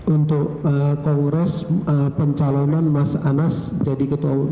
untuk kongres pencalonan mas anas jadi ketua umum